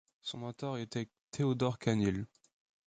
Son mentor était Théodore Canneel.